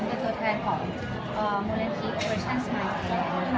เป็นตัวแทนของมูลเน้นที่โอริชั่นสมาธิแลนด์